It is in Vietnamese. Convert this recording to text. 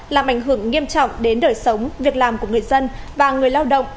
làm ảnh hưởng nghiêm trọng đến đời sống việc làm của người dân và người lao động